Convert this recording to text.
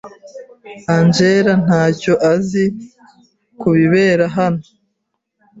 Angella ntacyo azi kubibera hano.